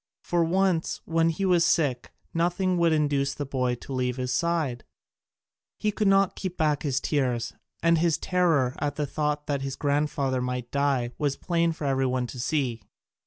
For once, when he was sick, nothing would induce the boy to leave his side; he could not keep back his tears, and his terror at the thought that his grandfather might die was plain for every one to see.